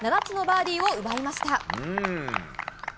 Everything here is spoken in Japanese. ７つのバーディーを奪いました。